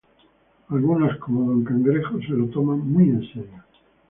Algunos, como Don Cangrejo, se lo toman muy en serio.